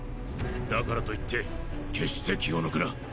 だからといって決して気を抜くな。